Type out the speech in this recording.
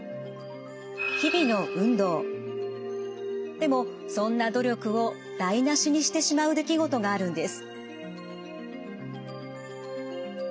でもそんな努力を台なしにしてしまう出来事があるんです。